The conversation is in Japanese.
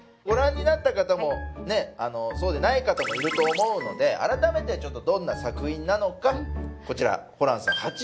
ご覧になった方もそうでない方もいると思うので改めてどんな作品なのかこちらホランさん